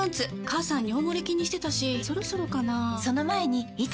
母さん尿モレ気にしてたしそろそろかな菊池）